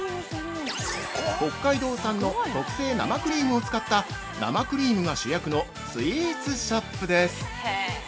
北海道産の特製生クリームを使った生クリームが主役のスイーツショップです。